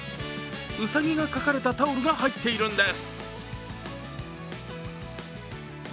うさぎが描かれたタオルが入っているんです。